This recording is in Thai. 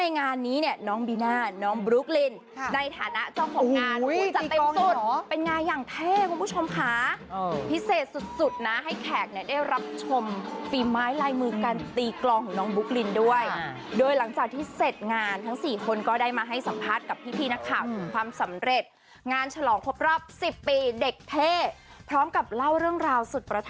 น้องบลูกลิ้นในฐานะเจ้าของงานเป็นงานอย่างเท่คุณผู้ชมค่ะเอ่อพิเศษสุดสุดน่ะให้แขกเนี้ยได้รับชมฟีมไม้ลายมือการตีกลองของน้องบลูกลิ้นด้วยค่ะโดยหลังจากที่เสร็จงานทั้งสี่คนก็ได้มาให้สัมพันธ์กับพี่พี่นะครับความสำเร็จงานฉลองพบรอบสิบปีเด็กเท่พร้อมกับเล่าเรื่องราว